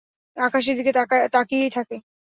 আকাশের দিকে তাকিয়েই থাকে!